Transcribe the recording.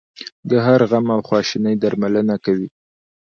د هر غم او خواشینۍ درملنه کوي.